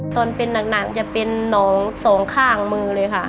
ตอนเป็นหนักจะเป็นน้องสองข้างมือเลยค่ะ